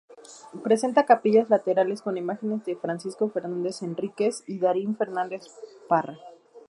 Presenta capillas laterales con imágenes de Francisco Fernández Enríquez y Darío Fernández Parra.